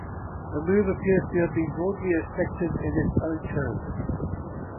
The move appears to have been broadly effective in its own terms.